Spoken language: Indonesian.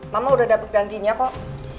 mama udah dapat gantinya kok